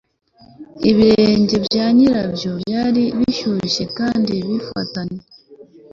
ibirenge bya nyirabyo byari bishyushye kandi bifatanye.